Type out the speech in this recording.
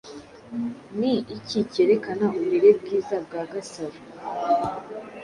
Ni iki kerekana uburere bwiza bwa Gasaro?